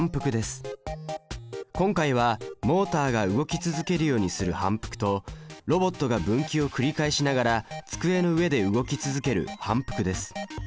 今回はモータが動き続けるようにする反復とロボットが分岐を繰り返しながら机の上で動き続ける反復です。